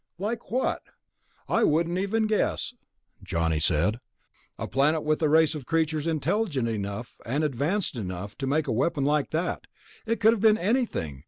"Like what?" "I wouldn't even guess," Johnny said. "A planet with a race of creatures intelligent enough and advanced enough to make a weapon like that ... it could have been anything.